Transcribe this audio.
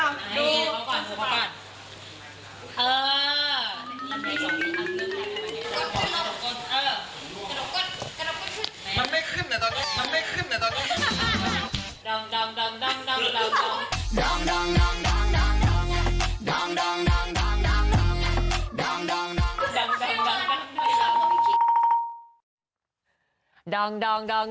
นี่ขอบคุณขอบคุณ